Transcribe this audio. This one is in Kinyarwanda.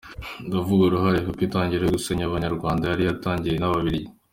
Ndavuga uruhare kuko intangiriro yo gusenya ubunyarwanda yari yaratangiwe n’Ababiligi.